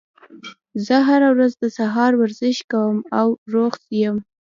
زه هره ورځ د سهار ورزش کوم او روغ یم